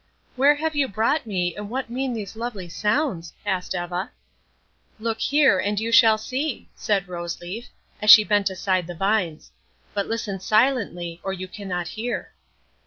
"Where have you brought me, and what mean these lovely sounds?" asked Eva. "Look here, and you shall see," said Rose Leaf, as she bent aside the vines, "but listen silently or you cannot hear."